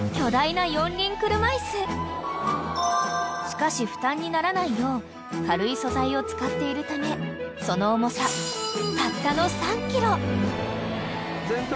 ［しかし負担にならないよう軽い素材を使っているためその重さたったの］